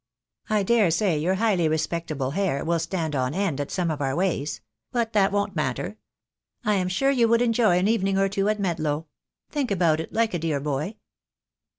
I daresay your highly respectable hair will stand on end at some of our ways — but that won't matter. I am sure you would enjoy an evening or two at Medlow. Think about it, like a dear boy."